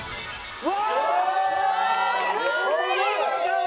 うわ！